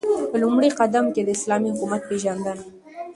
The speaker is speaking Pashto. په لومړی قدم كې داسلامي حكومت پيژندنه